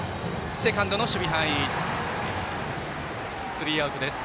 スリーアウトです。